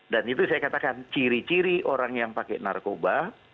dan itu saya katakan ciri ciri orang yang pakai narkoba